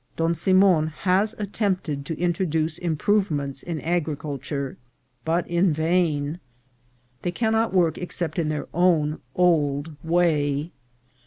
Don Simon has attempted to introduce improvements in agriculture, but in vain ; they cannot work except in their own old way.